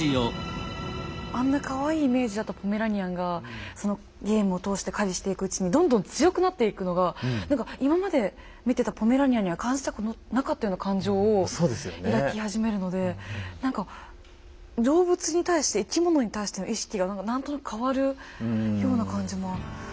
あんなかわいいイメージだったポメラニアンがそのゲームを通して狩りしていくうちにどんどん強くなっていくのが何か今まで見てたポメラニアンには感じたことなかったような感情を抱き始めるので何か動物に対して生き物に対しての意識が何となく変わるような感じもあったので。